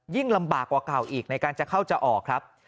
ลำบากกว่าเก่าอีกในการจะเข้าจะออกครับ